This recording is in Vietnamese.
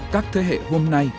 các thế hệ hôm nay